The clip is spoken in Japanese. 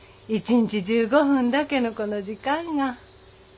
１日１５分だけのこの時間が。